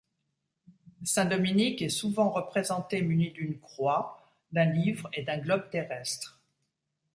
Saint Dominique est souvent représenté muni d'une croix, d'un livre et d'un globe terrestre.